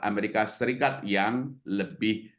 amerika serikat yang lebih